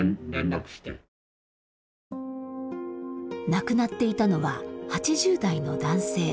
亡くなっていたのは８０代の男性。